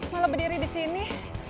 malah berdiri disini